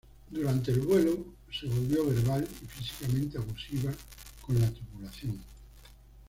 Durante el vuelo se volvió verbal y físicamente abusiva con la tripulación.